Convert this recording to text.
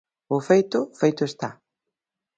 O feito, feito está.